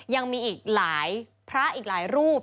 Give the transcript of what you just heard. ยังมีอีกหลายพระอีกหลายรูป